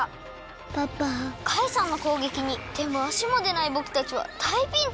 カイさんのこうげきにてもあしもでないぼくたちはだいピンチ！